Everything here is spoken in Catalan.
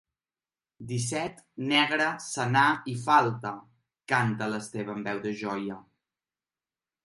Disset, negre, senar i falta —canta l'Esteve amb veu de joia.